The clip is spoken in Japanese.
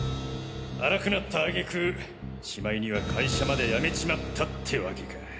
荒くなった挙句しまいには会社まで辞めちまったってわけか。